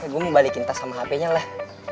gue mau balikin tas sama hpnya lah